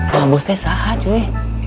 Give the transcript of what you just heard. emak bos teh sahat cuy